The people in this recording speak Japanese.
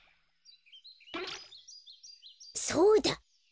そうだ！